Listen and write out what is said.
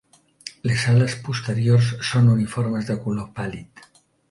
Les ales posteriors són uniformes de color pàl·lid.